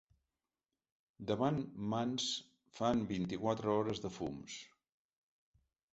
Davant mans fa vint-i-quatre hores de fums.